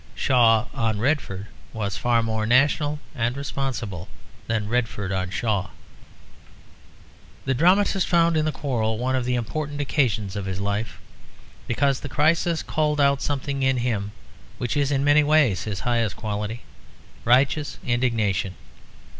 Shaw on Redford was far more national and responsible than Redford on Shaw. The dramatist found in the quarrel one of the important occasions of his life, because the crisis called out something in him which is in many ways his highest quality righteous indignation.